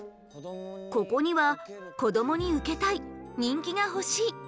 ここには「こどもにウケたい！」「人気が欲しい！」